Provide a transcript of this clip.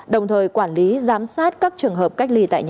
đồng thời quản lý giám sát các trường hợp cách ly tại nhà